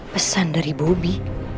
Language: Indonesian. pesan dari bobi